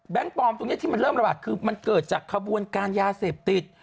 ปลอมตรงนี้ที่มันเริ่มระบาดคือมันเกิดจากขบวนการยาเสพติด